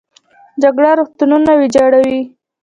جګړه روغتونونه ویجاړوي